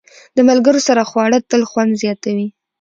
د ملګرو سره خواړه تل خوند زیاتوي.